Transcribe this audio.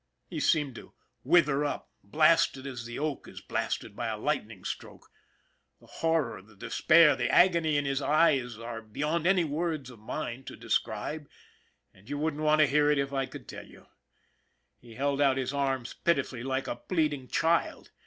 He seemed to wither up, blasted as the oak is blasted by a lightning stroke. The horror, the despair, the agony in his eyes are beyond any words of mine to describe, and you wouldn't want to hear it if I could tell you. He held out his arms pitifully like a pleading child.